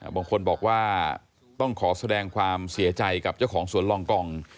บางคนบอกว่าต้องขอแสดงความเสียใจกับเจ้าของสวนลองกอง